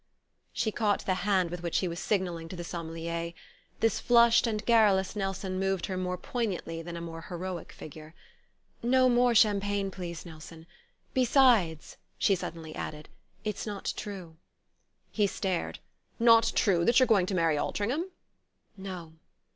She caught the hand with which he was signalling to the sommelier. This flushed and garrulous Nelson moved her more poignantly than a more heroic figure. "No more champagne, please, Nelson. Besides," she suddenly added, "it's not true." He stared. "Not true that you're going to marry Altringham?" "No."